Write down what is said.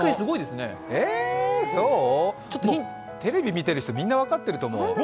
テレビ見てる人、みんな分かってると思う。